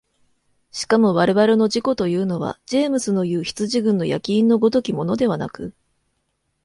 しかも我々の自己というのはジェームスのいう羊群の焼印の如きものではなく、